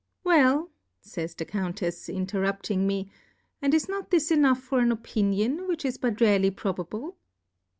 Well, fays the Countefs, interrupting me, and is not this enough for an Opi nion, which is but barely probable?